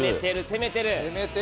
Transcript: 攻めている。